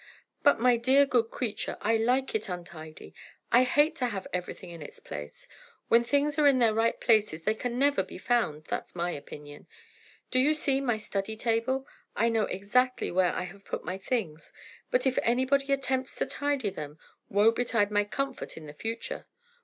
"But, my dear, good creature, I like it untidy. I hate to have everything in its place. When things are in their right places they can never be found; that's my opinion. Do you see my study table? I know exactly where I have put my things; but, if anybody attempts to tidy them, woe betide my comfort in the future!